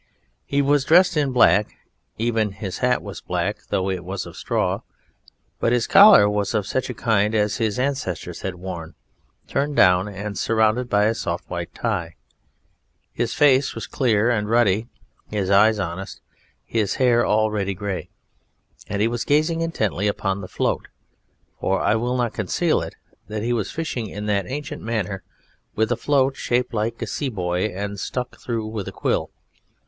He was dressed in black, even his hat was black (though it was of straw), but his collar was of such a kind as his ancestors had worn, turned down and surrounded by a soft white tie. His face was clear and ruddy, his eyes honest, his hair already grey, and he was gazing intently upon the float; for I will not conceal it that he was fishing in that ancient manner with a float shaped like a sea buoy and stuck through with a quill.